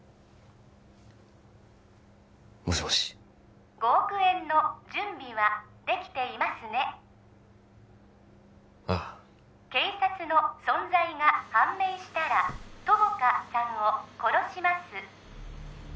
もしもし５億円の準備はできていますねああ警察の存在が判明したら友果さんを殺します